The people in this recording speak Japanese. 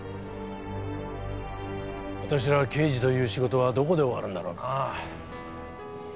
私ら刑事という仕事はどこで終わるんだろうなあ。